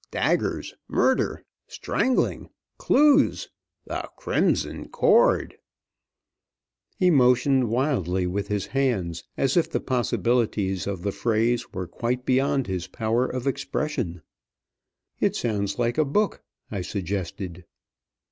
Daggers! Murder! Strangling! Clues! 'The Crimson Cord' " [Illustration: 122] He motioned wildly with his hands, as if the possibilities of the phrase were quite beyond his power of expression. "It sounds like a book," I suggested.